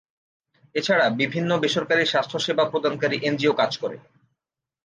এছাড়া বিভিন্ন বেসরকারি স্বাস্থ্যসেবা প্রদানকারী এনজিও কাজ করে।